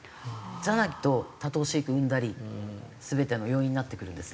じゃないと多頭飼育生んだり全ての要因になってくるんですね。